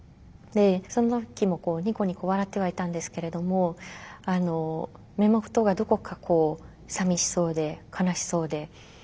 その時もニコニコ笑ってはいたんですけれども目元がどこかこうさみしそうで悲しそうで。